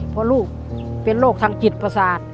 เพราะลูกเป็นโรคทางจิตประสาท